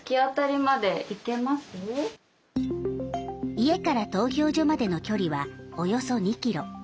家から投票所までの距離はおよそ２ｋｍ。